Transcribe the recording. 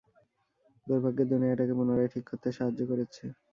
দুর্ভাগ্যের দুনিয়া এটাকে পুনরায় ঠিক করতে সাহায্য করেছে।